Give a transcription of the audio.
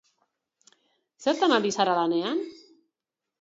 Zertan ari zara lanean?